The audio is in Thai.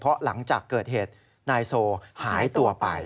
เพราะหลังจากเกิดเหตุนายโซหายตัวไป